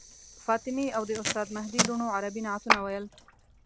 فاطمې او د استاد مهدي لوڼو عربي نعتونه ویل.